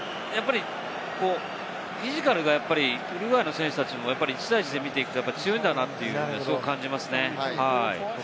フィジカルがウルグアイの選手たちの方が１対１で見ると強いんだなと感じますね。